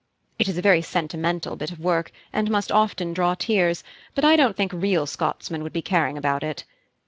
It is a very sentimental bit of work, and must often draw tears; but I don't think real Scotsmen would be caring about it.